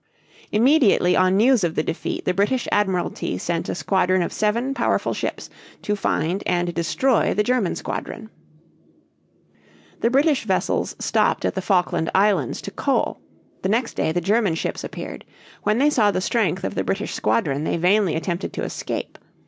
Immediately on news of the defeat the British Admiralty sent a squadron of seven powerful ships to find and destroy the German squadron. The British vessels stopped at the Falkland Islands to coal. The next day the German ships appeared. When they saw the strength of the British squadron they vainly attempted to escape.